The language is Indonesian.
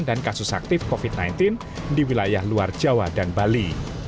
dan kasus aktif covid sembilan belas di wilayah luar jawa dan bali